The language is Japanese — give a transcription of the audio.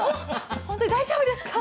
本当に大丈夫ですか？